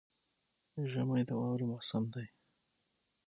ژمی د واورې موسم دی